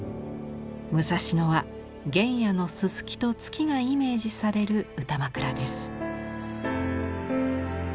武蔵野は原野のすすきと月がイメージされる歌枕です。